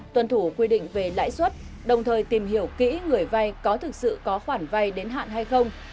tuân thủ quy định về lãi suất đồng thời tìm hiểu kỹ người vay có thực sự có khoản vay đến hạn hay không